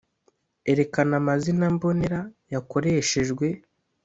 Erekana amazina mbonera yakoreshejwe